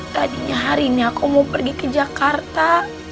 tadinya hari ini aku mau pergi ke jakarta